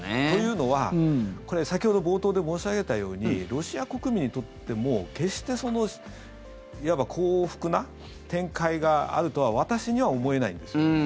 というのは、これ先ほど冒頭で申し上げたようにロシア国民にとっても決していわば幸福な展開があるとは私には思えないんですね。